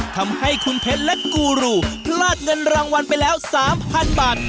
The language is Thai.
ทำให้คุณเพชรและกูรูพลาดเงินรางวัลไปแล้ว๓๐๐๐บาท